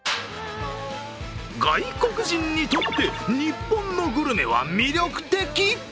外国人にとって日本のグルメは魅力的。